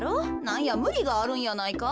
なんやむりがあるんやないか？